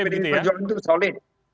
pdi perjuangan itu solid